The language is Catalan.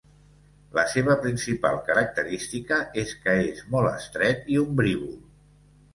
La seva principal característica és que és molt estret i ombrívol.